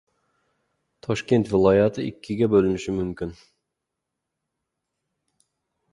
Toshkent viloyati ikkiga bo‘linishi mumkin...